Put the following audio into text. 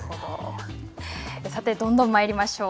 さて、どんどんまいりましょう。